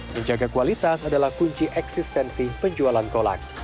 menjaga kualitas adalah kunci eksistensi penjualan kolak